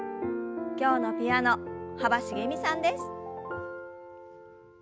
今日のピアノ幅しげみさんです。